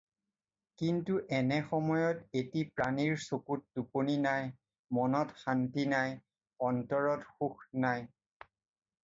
কিন্তু এনে সময়ত এটি প্ৰাণীৰ চকুত টোপনি নাই, মনত শান্তি নাই, অন্তৰত সুখ নাই।